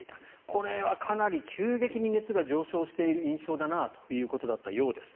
これはかなり急激に熱が上昇しているなという印象だったそうです。